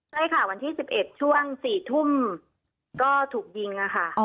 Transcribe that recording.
ใช่ค่ะวันที่๑๑ช่วง๔ทุ่มก็ถูกยิงค่ะ